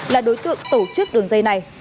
là đối tượng tổ chức đường dây này